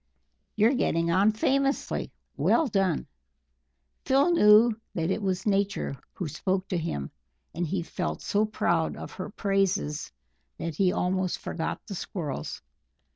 You're getting on famously. Well done!" Phil knew that it was Nature who spoke to him, and he felt so proud of her praises that he almost forgot the Squirrels.